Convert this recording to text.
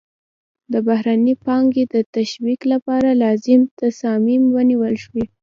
د بهرنۍ پانګې د تشویق لپاره لازم تصامیم ونیول شي.